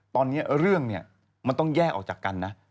ตอนนี้เรื่องเนี่ยมันต้องแยกออกจากกันนะ